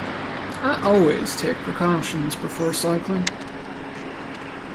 I always take precautions before cycling.